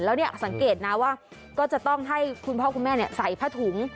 แล้วสังเกตนะว่าก็จะต้องให้คุณพ่อคุณแม่ใส่ผสม